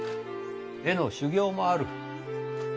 絵の修業もある。